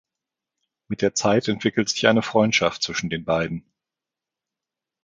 Mit der Zeit entwickelt sich eine Freundschaft zwischen den beiden.